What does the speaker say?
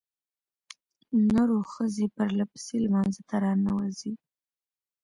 نرو ښځې پرلپسې لمانځه ته راننوځي.